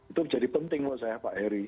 itu menjadi penting menurut saya pak heri